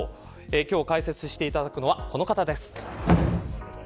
今日、解説していただくのはこの方です。